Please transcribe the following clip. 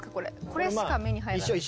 これしか目に入らない。